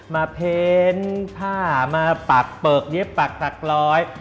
มาเพนต์ผ้ามาปักเปิกเดี๋ยวปักตักรอย